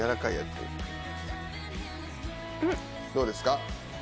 どうですか？